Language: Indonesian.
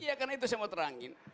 iya karena itu saya mau terangin